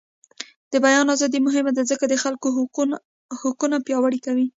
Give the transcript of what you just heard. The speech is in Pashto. د بیان ازادي مهمه ده ځکه چې د خلکو حقونه پیاوړي کوي.